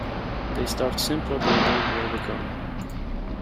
They start simpler than they will become.